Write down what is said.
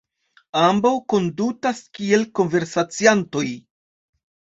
Ambaŭ kondutas kiel konversaciantoj.